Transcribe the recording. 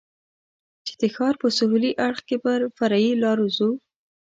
چې د ښار په سهېلي اړخ کې به پر فرعي لارو ځو.